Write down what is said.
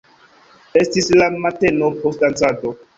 Estis la mateno post dancado.